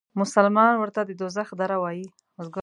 مسلمانان ورته د دوزخ دره وایي.